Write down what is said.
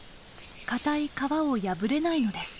堅い皮を破れないのです。